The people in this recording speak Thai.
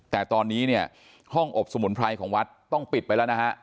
แต่ตอนนี้เนี่ยห้องอบสมุนไพรของวัดต้องปิดไปแล้วนะฮะ